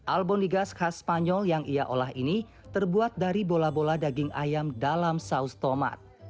albonigas khas spanyol yang ia olah ini terbuat dari bola bola daging ayam dalam saus tomat